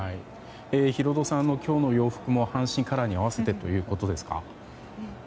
ヒロドさんの今日の洋服も阪神カラーに合わせてということですか？